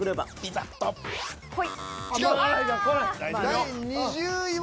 第２０位は。